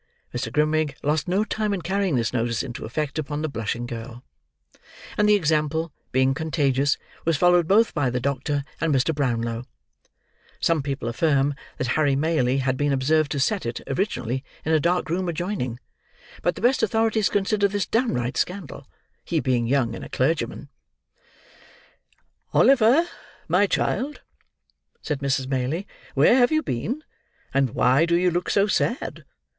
Mr. Grimwig lost no time in carrying this notice into effect upon the blushing girl; and the example, being contagious, was followed both by the doctor and Mr. Brownlow: some people affirm that Harry Maylie had been observed to set it, originally, in a dark room adjoining; but the best authorities consider this downright scandal: he being young and a clergyman. "Oliver, my child," said Mrs. Maylie, "where have you been, and why do you look so sad?